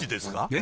え？